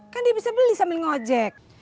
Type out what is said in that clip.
kan dia bisa beli sambil ngojek